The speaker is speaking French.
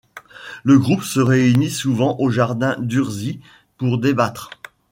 Le groupe se réunit souvent au jardin Durzy pour débattre.